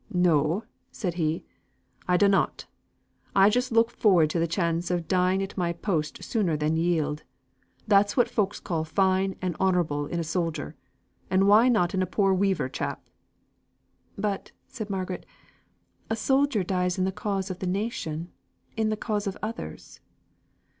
"No," said he, "I dunnot. I just look forward to the chance of dying at my post sooner than yield. That's what folk call fine and honourable in a soldier, and why not in a poor weaver chap?" "But," said Margaret, "a soldier dies in the cause of the Nation in the cause of others."